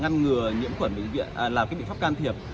là một cái biện pháp can thiệp